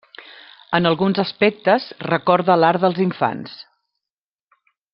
En alguns aspectes recorda l'art dels infants.